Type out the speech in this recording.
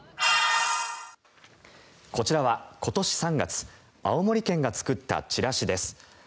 こちらは今年３月青森県が作ったチラシです。